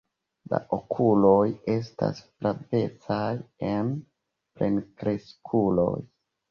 La okuloj estas flavecaj en plenkreskuloj.